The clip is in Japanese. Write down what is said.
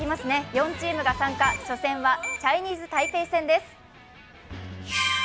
４チームが参加初戦はチャイニーズ・タイペイ戦です。